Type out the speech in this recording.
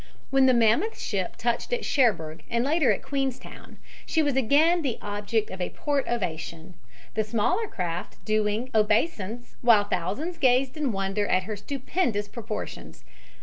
When the mammoth ship touched at Cherbourg and later at Queenstown she was again the object of a port ovation, the smaller craft doing obeisance while thousands gazed in wonder at her stupendous proportions.